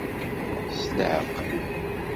S leεqel!